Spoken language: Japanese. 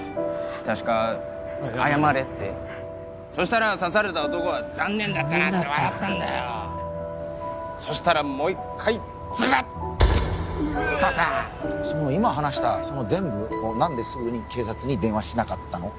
・確か「謝れ」って・そしたら刺された男は「残念だったな」って笑ったんだそしたらもう１回ズブッとさ今話したその全部を何ですぐに警察に電話しなかったの？